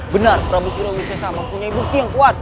benar prabu surawis sesa mempunyai bukti yang kuat